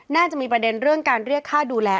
น่าจะมีประเด็นเรื่องการเรียกค่าดูแล